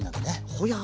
ほや。